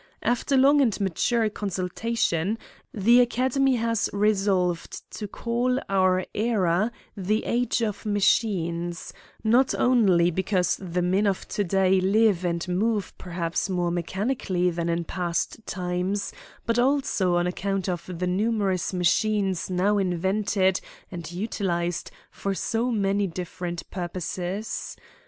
After long and mature consultation, the Academy has resolved to call our era the age of machines ; not only because the men of to day live and move" perhaps more mechanically than in past times, but also on account of the numerous machines now invented and utiHsed for so many different purposes.